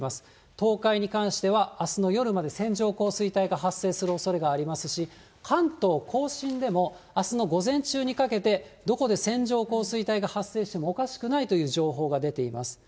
東海に関しては、あすの夜まで線状降水帯が発生するおそれがありますし、関東甲信でもあすの午前中にかけて、どこで線状降水帯が発生してもおかしくないという情報が出ています。